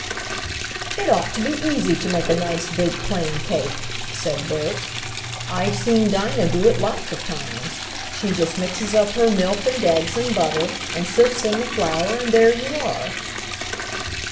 "It ought to be easy to make a nice big plain cake," said Bert. "I've seen Dinah do it lots of times. She just mixes up her milk and eggs and butter, and sifts in the flour, and there you are."